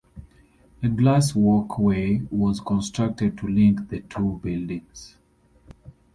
A glass walk way was constructed to link the two buildings.